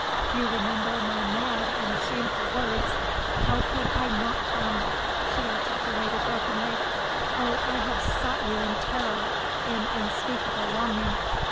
You remember my mad and shameful words! How could I not come!" she articulated brokenly. "Oh, I have sought you in terror, in unspeakable longing!